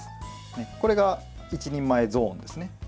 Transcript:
これが１人前ゾーンですね。